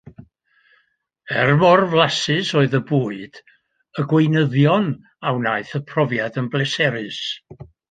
Er mor flasus oedd y bwyd, y gweinyddion a wnaeth y profiad yn bleserus.